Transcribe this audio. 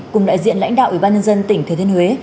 cùng đại diện lãnh đạo ủy ban nhân dân tỉnh thừa thiên huế